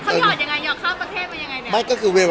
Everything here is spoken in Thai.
บิดยอดอย่างไรโยะข้ามประเทศเป็นยังไง